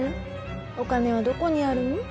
お金はどこにあるの？